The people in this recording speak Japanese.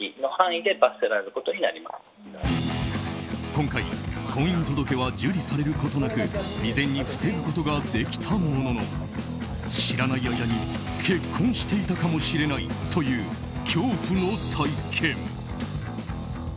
今回、婚姻届は受理されることなく未然に防ぐことができたものの知らない間に結婚していたかもしれないという恐怖の体験。